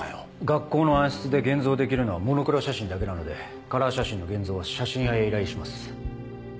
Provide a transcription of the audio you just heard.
学校の暗室で現像できるのはモノクロ写真だけなのでカラー写真の現像は写真屋へ依頼します。